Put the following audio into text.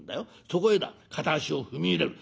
そこへだ片足を踏み入れる。